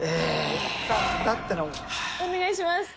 お願いします。